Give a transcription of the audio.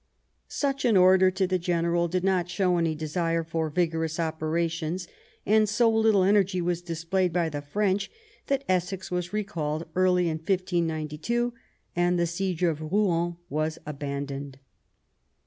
Such an order to the general did not show any desire for vigorous operations; and so little energy was displayed by the French that Essex was recalled early in 1592, and the siege of Rouen was abandoned.